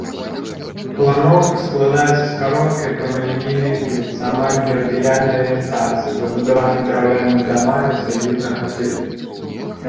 Планоўка складаецца з кароткай прамалінейнай вуліцы амаль мерыдыянальнай арыентацыі, забудаванай драўлянымі дамамі сядзібнага тыпу.